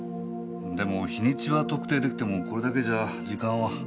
でも日にちは特定できてもこれだけじゃ時間は。